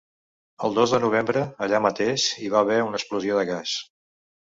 El dos de novembre, allà mateix, hi va haver una explosió de gas.